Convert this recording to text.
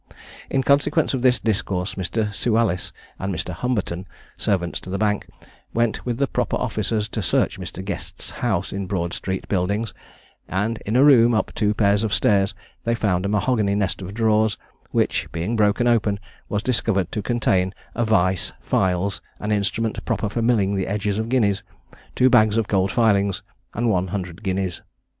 In consequence of this disclosure, Mr. Sewallis and Mr. Humberton, servants to the Bank, went with proper officers to search Mr. Guest's house in Broad street Buildings, and in a room up two pair of stairs, they found a mahogany nest of drawers, which, being broken open, was discovered to contain a vice, files, an instrument proper for milling the edges of guineas, two bags of gold filings, and one hundred guineas.